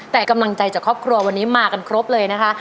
แต่กำลังใจจากครอบครัววันนี้มากันครบเลยนะคะ